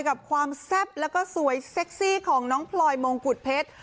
กับความแซ่บแล้วก็สวยเซ็กซี่ของน้องพลอยมงกุฎเพชร